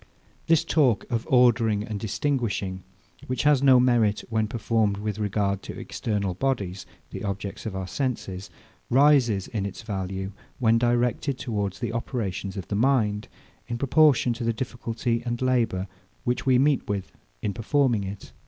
This talk of ordering and distinguishing, which has no merit, when performed with regard to external bodies, the objects of our senses, rises in its value, when directed towards the operations of the mind, in proportion to the difficulty and labour, which we meet with in performing it.